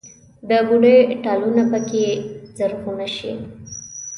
د بوډۍ ټالونه پکښې زرغونه شي